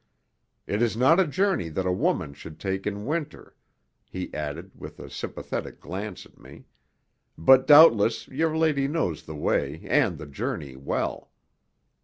It is not a journey that a woman should take in winter," he added with a sympathetic glance at me, "but doubtless your lady knows the way and the journey well."